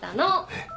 えっ！？